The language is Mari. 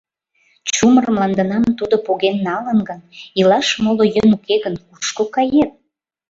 — Чумыр мландынам тудо поген налын гын, илаш моло йӧн уке гын, кушко кает?